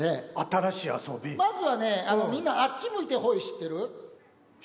まずはねみんなあっち向いてホイ知ってる？